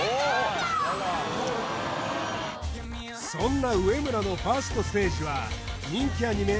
そんな植村のファーストステージは人気アニメ